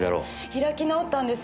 開き直ったんです